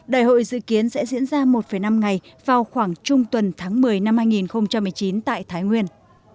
đại hội dự kiến sẽ diễn ra một năm ngày vào khoảng trung tuần tháng một mươi năm hai nghìn một mươi chín tại thái nguyên